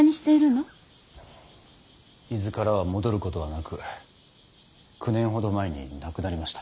伊豆からは戻ることはなく９年ほど前に亡くなりました。